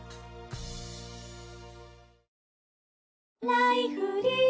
「ライフリー」